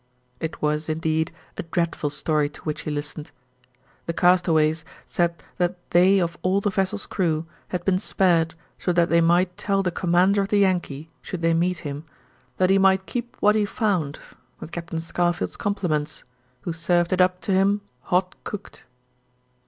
It was, indeed, a dreadful story to which he listened. The castaways said that they of all the vessel's crew had been spared so that they might tell the commander of the Yankee, should they meet him, that he might keep what he found, with Captain Scarfield's compliments, who served it up to him hot cooked.